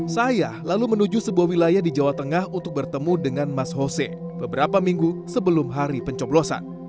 saya lalu menuju sebuah wilayah di jawa tengah untuk bertemu dengan mas hose beberapa minggu sebelum hari pencoblosan